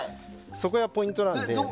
そこがポイントなので。